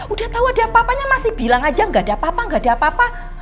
udah tau ada apa apanya masih bilang aja gak ada apa apa nggak ada apa apa